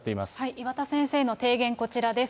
岩田先生の提言、こちらです。